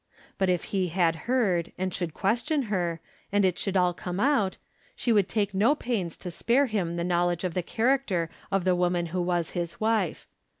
But if he had heard, and should question her, and it should all come out, she would take no pains to spare him the knowledge of the character of the woman who was his wife.